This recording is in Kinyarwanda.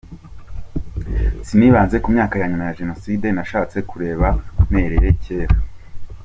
Sinibanze ku myaka ya nyuma ya Jenoside, nashatse kureba mpereye kera.